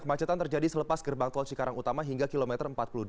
kemacetan terjadi selepas gerbang tol cikarang utama hingga kilometer empat puluh dua